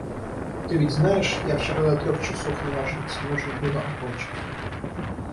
Ты ведь знаешь, я вчера до трёх часов не ложился, нужно было окончить.